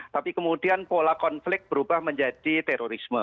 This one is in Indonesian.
tapi kemudian pola konflik berubah menjadi terorisme